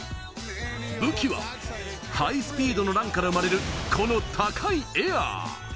武器はハイスピードのランから生まれる高いエア。